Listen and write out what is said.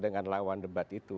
dengan lawan debat itu